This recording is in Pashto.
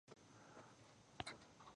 ما وويل زما نه يادېږي.